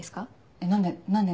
えっ何で？